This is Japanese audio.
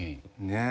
ねえ。